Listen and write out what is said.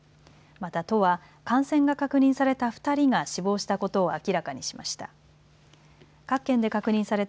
また都は感染が確認された２人が死亡したことを明らかにしました。